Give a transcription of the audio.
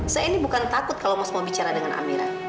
saya ini bukan takut kalau mas mau bicara dengan amira